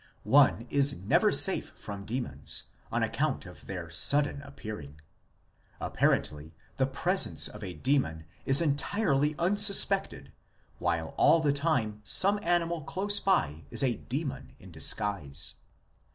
6 One is never safe from demons, on account of their sudden appearing ; apparently the presence of a demon is entirely unsuspected while all the time some animal close by is a demon in disguise.